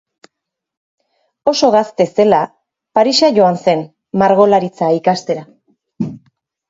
Oso gazte zela, Parisa joan zen, margolaritza ikastera.